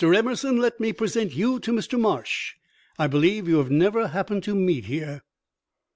Emerson, let me present you to Mr. Marsh. I believe you have never happened to meet here."